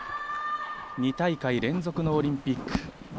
２大会連続のオリンピック。